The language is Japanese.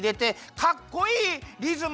かっこいいリズム。